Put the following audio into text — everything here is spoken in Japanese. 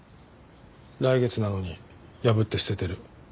来月なのに破って捨ててる。